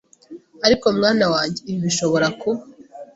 Ariko mwana wanjye ibi bishobora kuba